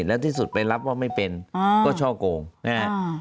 แล้วที่สุดไปรับว่าไม่เป็นก็ช่อโกงนะครับ